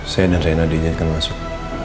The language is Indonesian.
saya dan rena diizinkan masuk